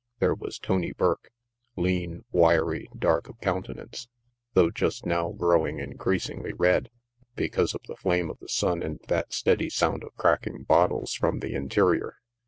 There was Tony Burke, lean, wiry, dark of coun tenance, though just now growing increasingly red because of the flame of the sun and that steady sound of cracking bottles from the interior.